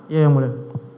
iya yang mulia